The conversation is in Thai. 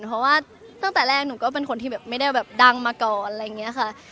เพราะว่าตั้งแต่แรกหนูก็เป็นคนที่แบบไม่ได้แบบดังมาก่อนอะไรอย่างนี้ค่ะ